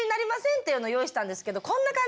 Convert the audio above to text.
っていうのを用意したんですけどこんな感じ。